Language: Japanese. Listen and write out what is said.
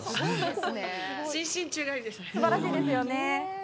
すばらしいですよね。